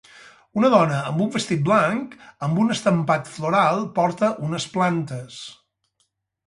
Una dona amb un vestit blanc amb un estampat floral porta unes plantes.